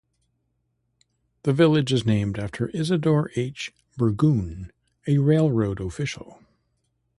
The village is named after Isadore H. Burgoon, a railroad official.